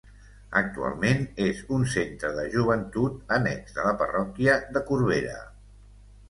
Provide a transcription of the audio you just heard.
Actualment és un centre de joventut annex de la Parròquia de Corbera.